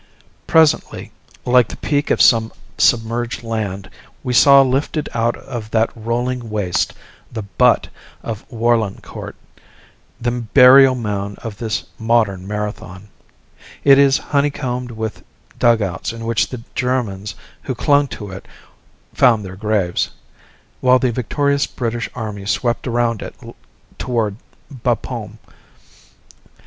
Presently, like the peak of some submerged land, we saw lifted out of that rolling waste the "Butt" of Warlencourt the burial mound of this modern Marathon. It is honeycombed with dugouts in which the Germans who clung to it found their graves, while the victorious British army swept around it toward Bapaume.